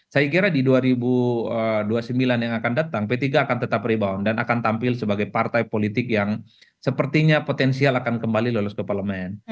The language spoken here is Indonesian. saya kira di dua ribu dua puluh sembilan yang akan datang p tiga akan tetap rebound dan akan tampil sebagai partai politik yang sepertinya potensial akan kembali lolos ke parlemen